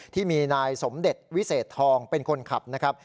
ที่มีนายสมเด็จวิเศษทองเป็นคนขับนะครับ